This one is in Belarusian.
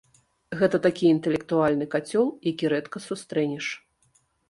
Гэта такі інтэлектуальны кацёл, які рэдка сустрэнеш.